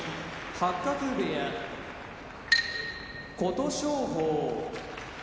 八角部屋琴勝峰